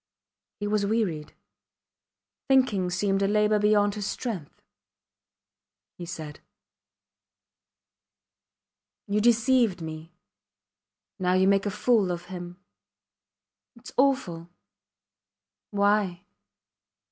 He was wearied. Thinking seemed a labour beyond his strength. He said You deceived me now you make a fool of him ... Its awful! Why?